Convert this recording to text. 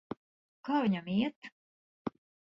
Kā viņam iet?